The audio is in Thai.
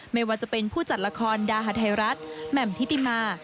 ไม่ว่าจะเป็นผู้จัดละครดาหาไทยรัฐแหม่มทิติมา